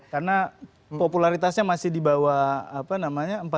karena popularitasnya masih di bawah apa namanya